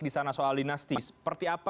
di sana soal dinasti seperti apa